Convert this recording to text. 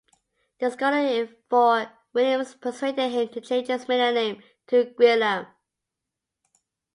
There the scholar Ifor Williams persuaded him to change his middle name to Gwilym.